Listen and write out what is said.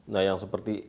nah yang seperti